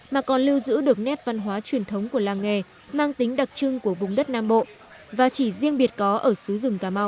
mà còn lưu giữ được nét văn hóa truyền thống của làng nghề mang tính đặc trưng của vùng đất nam bộ và chỉ riêng biệt có ở xứ rừng cà mau